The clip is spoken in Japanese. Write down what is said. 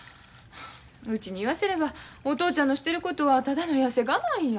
うちに言わせればお父ちゃんのしてることはただの痩せ我慢や。